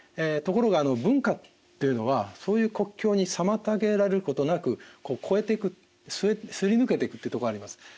ところが文化というのはそういう国境に妨げられることなくこう越えていくすり抜けていくというとこあります。